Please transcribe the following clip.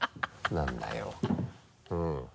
何なんだようん。